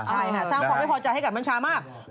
ใช่สร้างพลังไม่พอจ่ายให้กันน้ำชามาก